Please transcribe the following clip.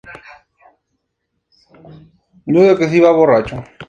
Epifanio Garay Caicedo desciende de una familia de artistas notables de Colombia.